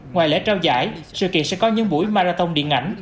ngoài lễ trao giải sự kiện sẽ có những buổi marathon